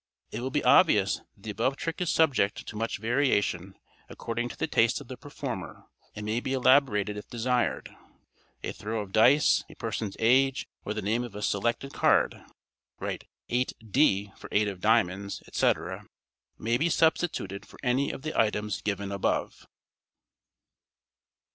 It will be obvious that the above trick is subject to much variation according to the taste of the performer, and may be elaborated if desired. A throw of dice; a person's age; or the name of a selected card (write "8 D" for eight of diamonds, etc.) may be substituted for any of the items given above.